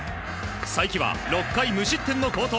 才木は６回無失点の好投。